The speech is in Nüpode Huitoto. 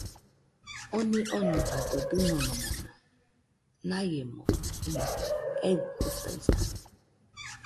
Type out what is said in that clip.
Oni ono jadɨdɨnómona naiemo imajkɨ eikɨtaisa.